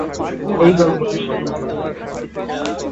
এই গল্পটি প্রশংসিত হয়েছিল।